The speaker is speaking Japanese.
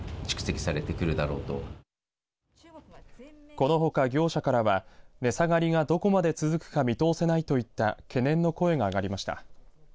このほか、業者からは値下がりがどこまで続くか見通せないといった懸念の声が上がりました。